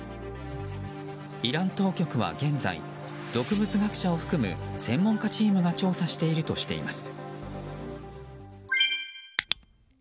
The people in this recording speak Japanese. イラン当局は現在毒物学者を含む専門家チームが調査しているとしています。